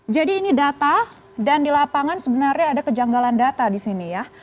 jadi ini data dan di lapangan sebenarnya ada kejanggalan data di sini ya